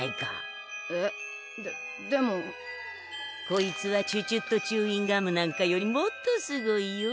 こいつはチュチュットチューインガムなんかよりもっとすごいよ。